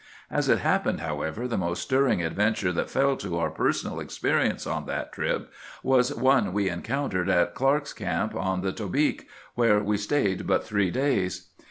"As it happened, however, the most stirring adventure that fell to our personal experience on that trip was one we encountered at Clarke's Camp, on the Tobique, where we stayed but three days.